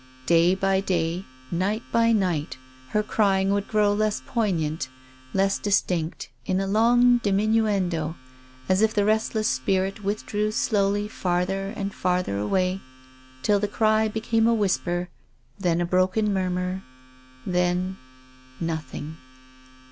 Day by day, night by night, her crying would grow less poignant, less distinct in a long diminuendo, as if the restless spirit withdrew slowly farther and farther away, till the cry be came a whisper, then a broken murmur, then — nothing.